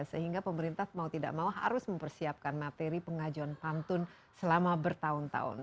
sehingga pemerintah mau tidak mau harus mempersiapkan materi pengajuan pantun selama bertahun tahun